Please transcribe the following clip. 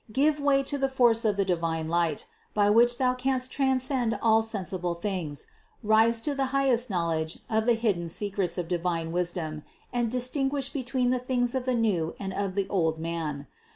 Give way to the force of the divine light, by which thou canst transcend all sensible things, rise to the highest knowledge of the hidden secrets of divine wisdom and dis tinguish between the things of the new and of the old man.